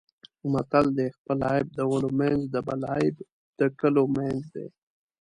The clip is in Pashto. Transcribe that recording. متل دی: خپل عیب د ولو منځ د بل عیب د کلو منځ دی.